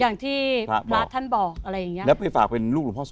อย่างที่พระท่านบอกอะไรอย่างนี้